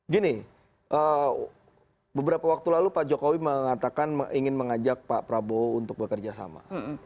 gini beberapa waktu lalu pak jokowi mengatakan ingin mengajak pak prabowo untuk bekerja sama